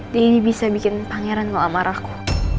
daddy bisa bikin pangeran mau amarah aku